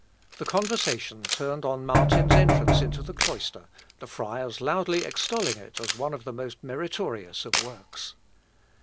The conversation turned on Martin's entrance into the cloister, the friars loudly extolling it as one of the most meritorious of works.